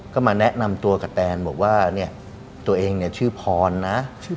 ก็มาแนะนำตัวกับแตนบอกว่าเนี่ยตัวเองเนี่ยชื่อพรนะ